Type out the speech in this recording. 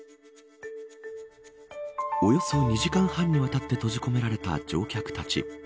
およそ２時間半にわたって閉じ込められた乗客たち。